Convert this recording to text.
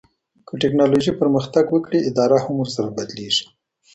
که ټکنالوژي پرمختګ وکړي اداره هم ورسره بدلیږي.